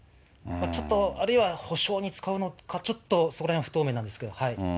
ちょっと、あるいは補償に使うのか、ちょっとそこらへんは不透明なんですけれども。